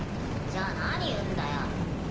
じゃあ何売んだよ？